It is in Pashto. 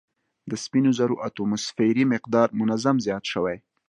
د سپینو زرو اتوموسفیري مقدار منظم زیات شوی